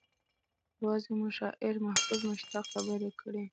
يوازې مو شاعر محبوب مشتاق خبر کړی و.